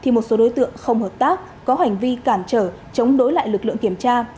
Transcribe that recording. một số đối tượng không hợp tác có hành vi cản trở chống đối lại lực lượng kiểm tra